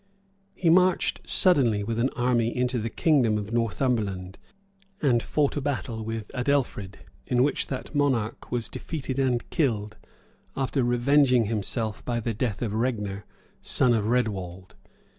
] He marched suddenly with an army into the kingdom of Northumberland, and fought a battle with Adelfrid; in which that monarch was defeated and killed, after revenging himself by the death of Regner, son of Redwald.